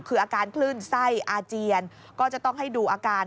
คืออาการคลื่นไส้อาเจียนก็จะต้องให้ดูอาการ